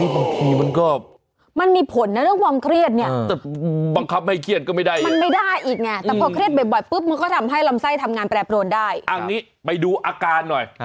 ไปดูอาการหน่อย